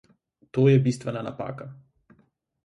To je bistvena napaka.